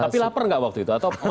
tapi lapar nggak waktu itu